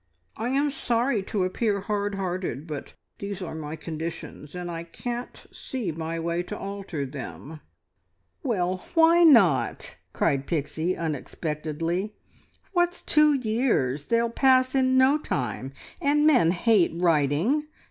I am sorry to appear hard hearted, but these are my conditions, and I can't see my way to alter them." "Well why not?" cried Pixie unexpectedly. "What's two years? They'll pass in no time. And men hate writing.